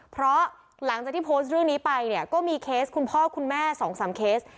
เพราะหลังจากที่โพสต์เรื่องนี้ไปเนี่ยก็มีเคสคุณพ่อคุณแม่๒๓เคส